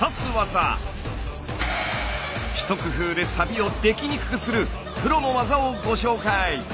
一工夫でサビをできにくくするプロの技をご紹介。